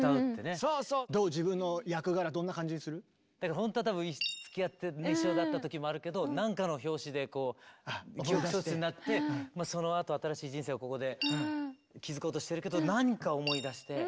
ほんとは多分つきあって一緒だった時もあるけど何かの拍子で記憶喪失になってそのあと新しい人生をここで築こうとしてるけど何か思い出して。